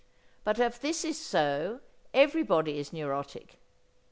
But if this is so everybody is neurotic.